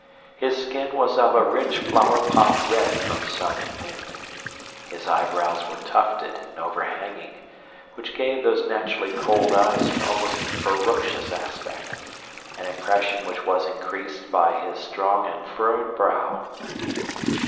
His skin was of a rich flower pot red from sun and wind. His eyebrows were tufted and overhanging, which gave those naturally cold eyes an almost ferocious aspect, an impression which was increased by his strong and furrowed brow.